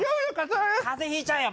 風邪ひいちゃうよ。